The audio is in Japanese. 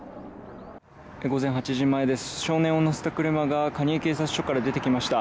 午前８時前で少年を乗せた車が蟹江警察署から出てきました